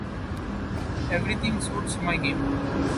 Everything suits my game.